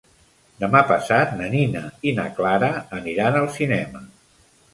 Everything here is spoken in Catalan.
Demà passat na Nina i na Clara aniran al cinema.